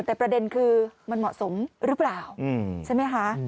แต่ประเด็นคือมันเหมาะสมหรือเปล่าใช่ไหมคะ